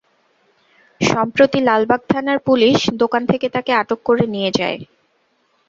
সম্প্রতি লালবাগ থানার পুলিশ দোকান থেকে তাঁকে আটক করে নিয়ে যায়।